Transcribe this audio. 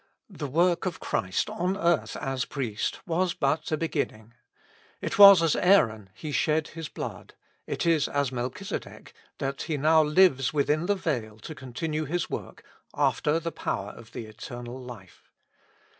The work of Christ on earth as Priest was but a beginning. It was as Aaron He shed His blood ; it is as Melchize dek that He now lives within the veil to continue His work, after the power of the eternal life.